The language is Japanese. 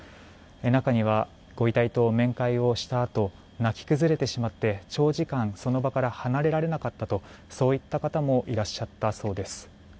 中にはご遺体と面会をしたあと泣き崩れてしまって長時間、その場から離れられなかったという方もいらっしゃったそうです。